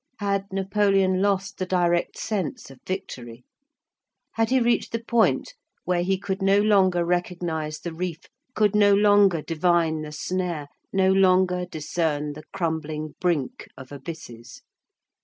Had Napoleon lost the direct sense of victory? Had he reached the point where he could no longer recognize the reef, could no longer divine the snare, no longer discern the crumbling brink of abysses?